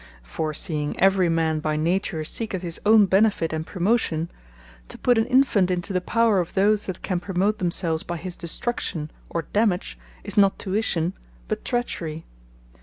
For seeing every man by nature seeketh his own benefit, and promotion; to put an Infant into the power of those, that can promote themselves by his destruction, or dammage, is not Tuition, but Trechery.